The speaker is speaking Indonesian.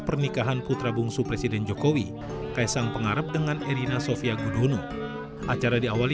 pernikahan putra bungsu presiden jokowi kaisang pengarap dengan erina sofia gudono acara diawali